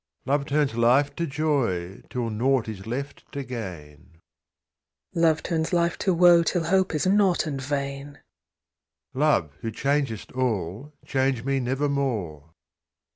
Love turns life to joy till nought is left to gain: "Love turns life to woe till hope is nought and vain." Love, who changest all, change me nevermore!